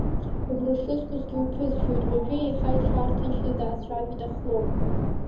Угәра шызгогьы, уԥысшәоит, уажәы еиҳа иҽаарҭынчны даацәажәеит Ахлоу.